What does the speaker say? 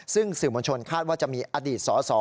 ซึ่งสื่อมวลชนคาดว่าจะมีอดีตสส